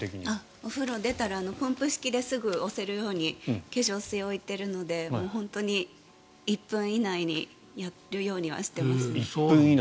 お風呂出たらポンプ式ですぐに押せるように化粧水を置いているので本当に１分以内にやるようにはしています。